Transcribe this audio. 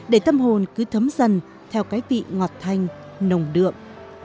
để tâm hồn cứ thấm dần theo cái vị ngọt thanh nồng đượm